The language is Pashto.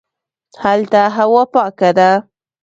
هلته هوا پاکه ده